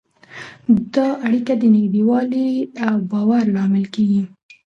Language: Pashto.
دا اړیکه د نږدېوالي او باور لامل کېږي.